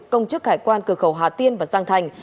công chức hải quan cửa khẩu hà tiên và giang thành